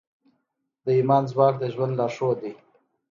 د ایمان ځواک د ژوند لارښود دی.